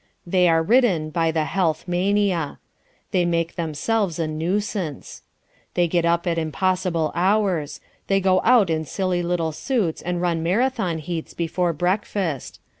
They are ridden by the Health Mania. They make themselves a nuisance. They get up at impossible hours. They go out in silly little suits and run Marathon heats before breakfast.